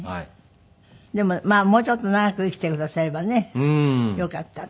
でももうちょっと長く生きてくださればねよかった。